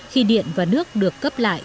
khi điện và nước được cấp lại